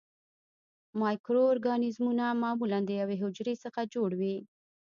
مایکرو ارګانیزمونه معمولاً د یوې حجرې څخه جوړ وي.